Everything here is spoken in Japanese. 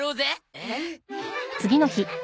えっ？